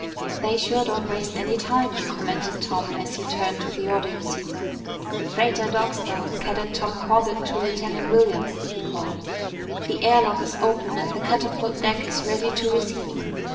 "They sure don't waste any time," commented Tom as he turned to the audioceiver. "Freighter Dog Star, Cadet Tom Corbett to Lieutenant Williams," he called, "the air lock is open and the catapult deck is ready to receive you."